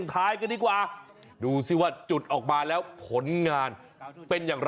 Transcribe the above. นี่คือคำอุทานขึ้นหรอ